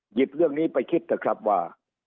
หยิบเรื่องนี้ไปคิดเถอะครับว่า